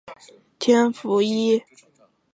弘治二年入为顺天府尹。